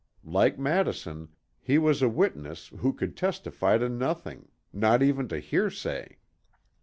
Like Madison, he was a witness who could testify to nothing, not even to hearsay.